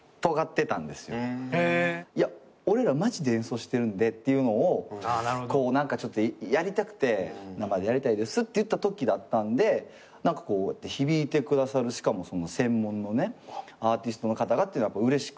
いや俺らマジで演奏してるんでっていうのをこう何かちょっとやりたくて生でやりたいですって言ったときだったんで何かこうやって響いてくださるしかもその専門のねアーティストの方がってうれしくて。